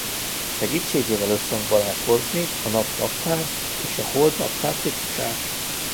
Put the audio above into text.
Segítségével összhangba lehet hozni a nap-naptár és a hold-naptár ciklusát.